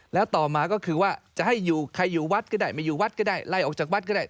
แล้วต่อมาก็คือว่าจะให้อยู่ใครอยู่วัดก็ได้ไม่อยู่วัดก็ได้ไล่ออกจากวัดก็ได้